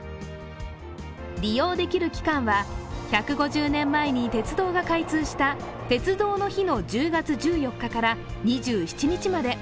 利用できる期間は、１５０年前に鉄道が開通した鉄道の日の１０月１４日から２７日まで。